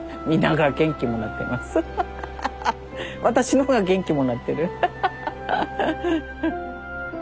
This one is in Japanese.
私の方が元気もらってる。